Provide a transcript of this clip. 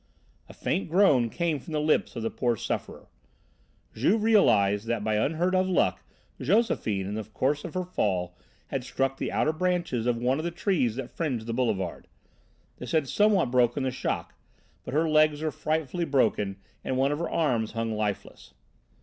A faint groan came from the lips of the poor sufferer. Juve realised that by unheard of luck, Josephine, in the course of her fall, had struck the outer branches of one of the trees that fringed the Boulevard. This had somewhat broken the shock, but her legs were frightfully broken and one of her arms hung lifeless.